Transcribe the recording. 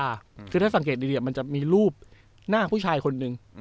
คือถ้าสังเกตดีมันจะมีรูปหน้าผู้ชายคนหนึ่ง